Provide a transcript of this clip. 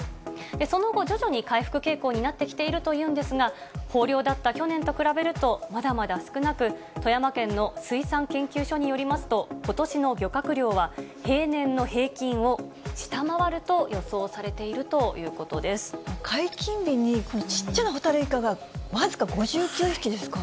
その後、徐々に回復傾向になってきているというんですが、豊漁だった去年と比べると、まだまだ少なく、富山県の水産研究所によりますと、ことしの漁獲量は平年の平均を下回ると予想されているということ解禁日に、ちっちゃなホタルイカが、僅か５９匹ですか。